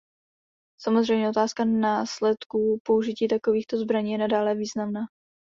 Samozřejmě, otázka následků použití takovýchto zbraní je nadále významná.